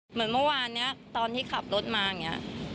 เหมือนเมื่อวานเนี่ยตอนที่ขับรถมาเนี่ย